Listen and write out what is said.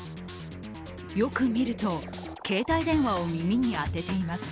よく見ると、携帯電話を耳に当てています。